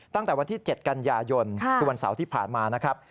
ตั้งแต่วันที่๗กันยายนคือวันเสาร์ที่ผ่านมานะครับ